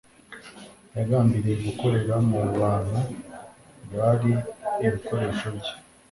Yagambiriye gukorera mu bantu bari ibikoresho bye